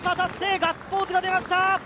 ガッツポーズが出ました。